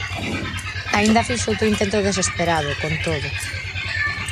Aínda fixo outro intento desesperado, con todo.